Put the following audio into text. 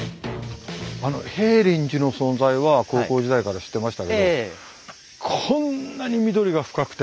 平林寺の存在は高校時代から知ってましたけどこんなに緑が深くて。